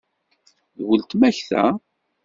D uletma-k ta?